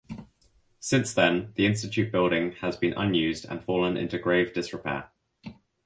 Since then the Institute building has been unused and fallen into grave disrepair.